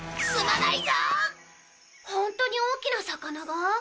ホントに大きな魚が？